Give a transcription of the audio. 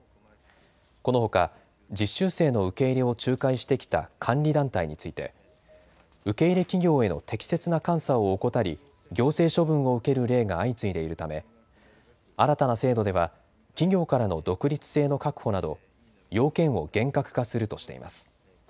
このほか実習生の受け入れを仲介してきた監理団体について受け入れ企業への適切な監査を怠り行政処分を受ける例が相次いでいるため新たな制度では企業からの独立性の確保など要件を厳格化するとしています。